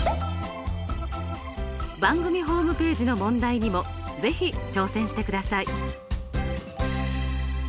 番組ホームページの問題にも是非挑戦してください。